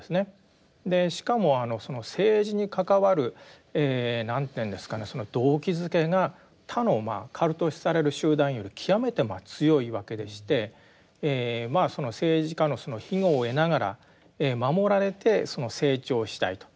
しかもその政治に関わる何ていうんですかね動機づけが他のカルト視される集団より極めて強いわけでしてその政治家の庇護を得ながら守られて成長したいと。